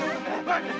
gak usah pake uang